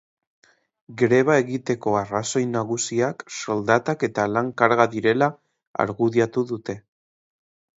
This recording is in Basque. Greba egiteko arrazoi nagusiak soldatak eta lan-karga direla argudiatu dute.